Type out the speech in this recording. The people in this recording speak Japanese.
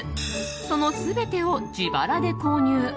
その全てを自腹で購入。